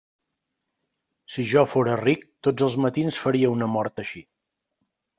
Si jo fóra ric, tots els matins faria una mort així.